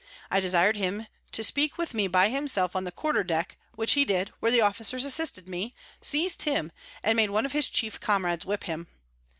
I desir'd him to speak with me by himself on the Quarter Deck, which he did, where the Officers assisted me, seiz'd him, and made one of his chief Comrades whip him.